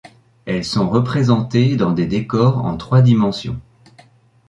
Elles sont représentées dans des décors en trois dimensions.